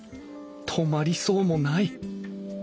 止まりそうもない。